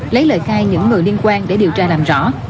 lấy lời khai những người liên quan để điều tra làm rõ